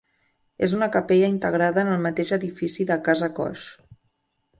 És una capella integrada en el mateix edifici de Casa Coix.